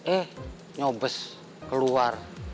eh nyobes keluar